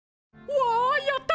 わやった！